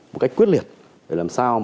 một cách quyết liệt để làm sao